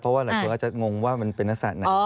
เพราะว่าหลายคนอาจจะงงว่ามันเป็นลักษณะไหน